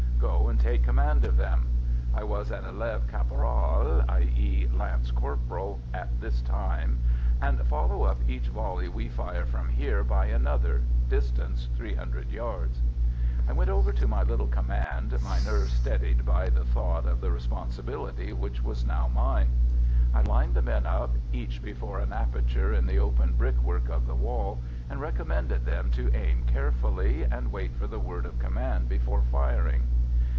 Go and take command of them" (I was an élève caporal i.e., lance corporal at this time), "and follow up each volley we fire from here by another distance, 300 yards." I went over to my little command, my nerves steadied by the thought of the responsibility which was now mine. I lined the men up, each before an aperture in the open brickwork of the wall, and recommended them to aim carefully, and wait for the word of command before firing.